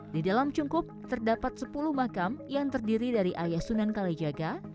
di dalam cungkup terdapat sepuluh makam yang terdiri dari ayah sunan kalijaga